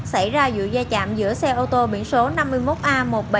xảy ra dựa gia chạm giữa xe ô tô biển số năm mươi một a một mươi bảy nghìn bốn trăm hai mươi tám